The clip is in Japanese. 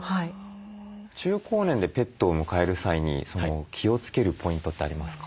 中高年でペットを迎える際に気をつけるポイントってありますか？